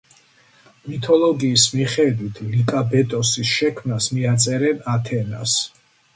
მითოლოგიის მიხედვით ლიკაბეტოსის შექმნას მიაწერენ ათენას.